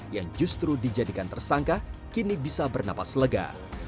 yang justru dijadikan tersangka kini bisa bernapas lega